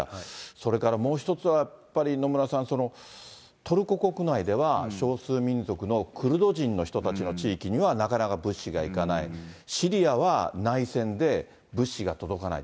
それからもう一つは、やっぱり野村さん、トルコ国内では少数民族のクルド人の人たちの地域にはなかなか物資が行かない、シリアは内戦で、物資が届かない。